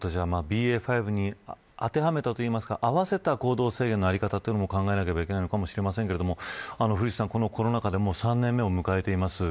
ＢＡ．５に当てはめたといいますか合わせた行動制限の在り方というのも考えなければいけないのかもしれませんが、古市さんコロナ禍で３年目を迎えています。